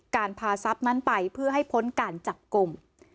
การพาทรัพย์นั้นไปเพื่อให้พ้นการจับกลุ่ม